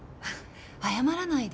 謝らないで